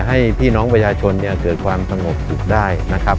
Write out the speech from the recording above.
ให้พี่น้องประชาชนเนี่ยเกิดความสงบสุขได้นะครับ